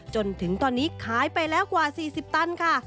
จนถึงตอนนี้ขายไปแล้วกว่า๔๐ตันค่ะ